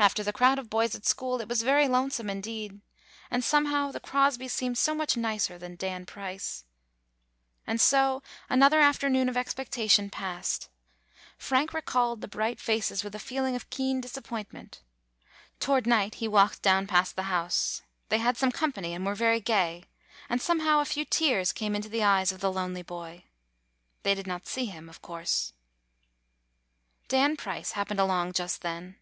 After the crowd of boys at school, it was very lonesome indeed. And somehow the Crosbys seemed so much nicer than Dan Price. [ 107 ] AN EASTER LILY And so another afternoon of expectation passed. Frank recalled the bright faces with a feeling* of keen disappointment. Toward night he walked down past the house. They had some company, and were very gay; and somehow a few tears came into the eyes of the lonely boy. They did not see him, of course. Dan Price happened along just then.